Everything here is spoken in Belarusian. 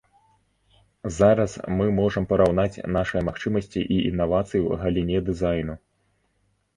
Зараз мы можам параўнаць нашыя магчымасці і інавацыі ў галіне дызайну.